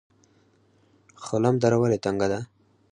خلم دره ولې تنګه ده؟